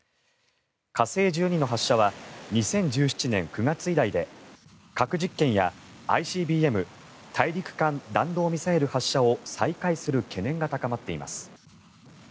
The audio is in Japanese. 火星１２の発射は２０１７年９月以来で核実験やＩＣＢＭ・大陸間弾道ミサイル発射を再開する懸念が高まっています。